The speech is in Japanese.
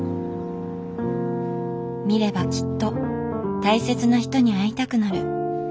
見ればきっと大切な人に会いたくなる。